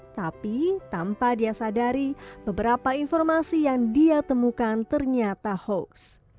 tapi tanpa dia sadari beberapa informasi yang dia temukan ternyata hoax